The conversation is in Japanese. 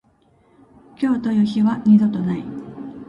今日という日は二度とない。